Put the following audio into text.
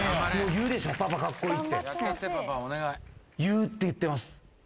言うって言ってます。